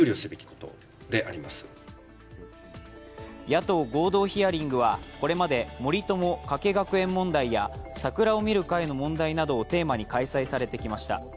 野党合同ヒアリングはこれまで森友・加計学園問題や桜を見る会の問題などをテーマに開催されてきました。